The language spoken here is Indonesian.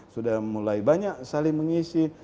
sudah mulai banyak saling mengisi